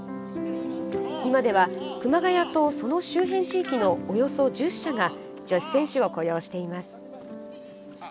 今では熊谷と、その周辺地域のおよそ１０社が女子選手を雇用しています。